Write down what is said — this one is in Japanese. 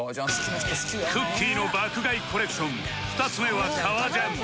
くっきー！の爆買いコレクション２つ目は革ジャン